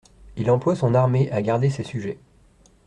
Il emploie son armée à garder ses sujets.